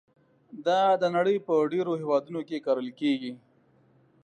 دا د نړۍ په ډېرو هېوادونو کې کرل کېږي.